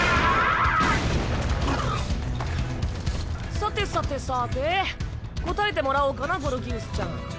さてさてさて答えてもらおうかなゴルギウスちゃん。